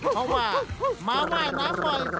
เพราะว่ามาว่ายน้ำบ่อย